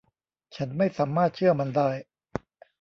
ฉันไม่สามารถเชื่อมันได้.